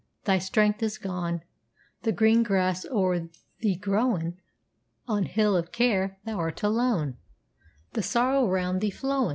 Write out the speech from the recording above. thy strength is gone, The green grass o'er thee growin'; On Hill of Care thou art alone, The Sorrow round thee flowin'.